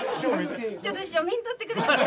ちょっと師匠見んとってください。